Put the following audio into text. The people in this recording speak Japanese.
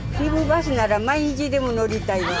バスなら毎日でも乗りたいわ。